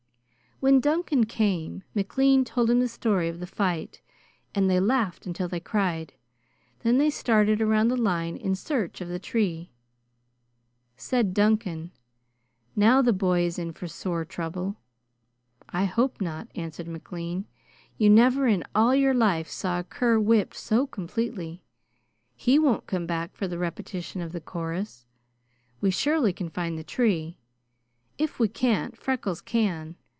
When Duncan came, McLean told him the story of the fight, and they laughed until they cried. Then they started around the line in search of the tree. Said Duncan: "Now the boy is in for sore trouble!" "I hope not," answered McLean. "You never in all your life saw a cur whipped so completely. He won't come back for the repetition of the chorus. We surely can find the tree. If we can't, Freckles can.